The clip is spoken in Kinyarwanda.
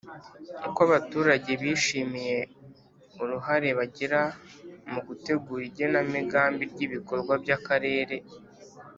Uko abaturage bishimiye uruhare bagira mu gutegura igenamigambi ry ibikorwa by akarere